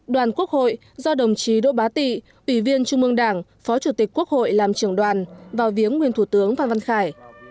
đoàn quốc hội do đồng chí đỗ bá tị ủy viên trung mương đảng phó chủ tịch quốc hội làm trưởng đoàn vào viếng nguyên thủ tướng phan văn khải